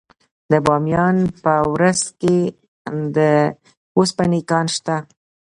د بامیان په ورس کې د وسپنې کان شته.